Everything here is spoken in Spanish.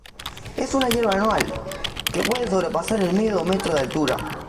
Es una hierba anual, que puede sobrepasar el medio metro de altura.